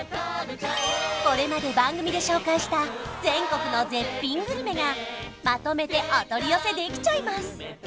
これまで番組で紹介した全国の絶品グルメがまとめてお取り寄せできちゃいます